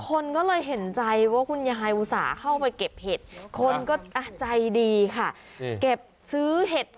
คนก็เลยเห็นใจว่าคุณยายอุตส่าห์เข้าไปเก็บเห็ด